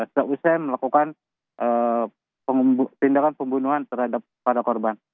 seusah melakukan tindakan pembunuhan terhadap korban